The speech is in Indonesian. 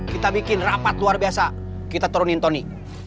kita bikin rapat luar biasa kita turunin tony